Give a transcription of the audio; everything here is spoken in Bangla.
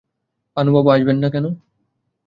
পানুবাবু আসবেন না কেন?